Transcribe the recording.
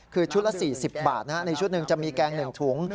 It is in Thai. คือชุดละ๔๐บาทในชุดหนึ่งจะมีแกง๑ถุง